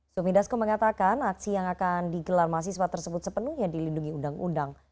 sumi dasko mengatakan aksi yang akan digelar mahasiswa tersebut sepenuhnya dilindungi undang undang